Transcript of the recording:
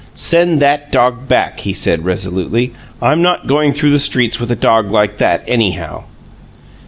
"Send that dog back," he said, resolutely. "I'm not going through the streets with a dog like that, anyhow!"